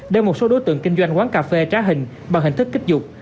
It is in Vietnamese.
để một số đối tượng kinh doanh quán cà phê trá hình bằng hình thức kích dục